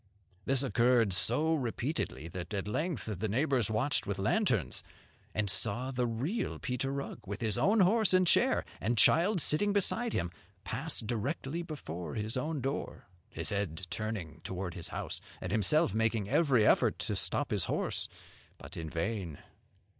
This occurred so repeatedly that at length the neighbours watched with lanterns, and saw the real Peter Rugg, with his own horse and chair, and child sitting beside him, pass directly before his own door, his head turning toward his house, and himself making every effort to stop his horse, but in vain.